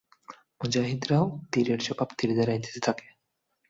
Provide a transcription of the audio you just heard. মুজাহিদরাও তীরের জবাব তীর দ্বারাই দিতে থাকে।